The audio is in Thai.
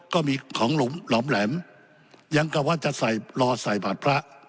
ก็มีของหลอมแหลมยังกับว่าจะใส่รอใส่บาทพระ